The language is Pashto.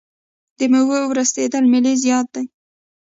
د میوو ورستیدل ملي زیان دی.